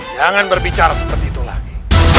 jangan berbicara seperti itu lagi